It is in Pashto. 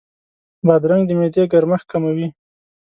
بادرنګ د معدې ګرمښت کموي.